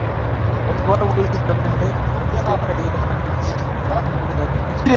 কতো বার বলেছি তোকে যে, আফিম খাইয়ে তাকে এখানে ওখানে লুকিয়ে রাখবি না।